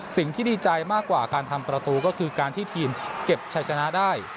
สิ่งที่ดีใจมากกว่าการทำประตูก็คือการที่ทีมเก็บชัยชนะได้